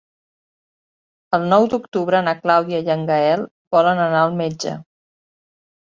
El nou d'octubre na Clàudia i en Gaël volen anar al metge.